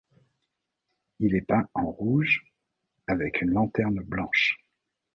Il est peint en rouge avec une lanterne blanche.